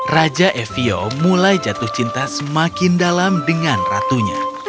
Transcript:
raja evio mulai jatuh cinta semakin dalam dengan ratunya